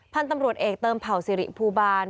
พันธุ์ตำรวจเอกเติมเผ่าสิริภูบาล